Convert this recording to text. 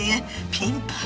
ピンポン！